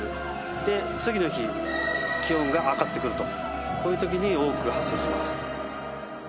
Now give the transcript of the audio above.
で次の日気温が上がってくるとこういう時に多く発生します。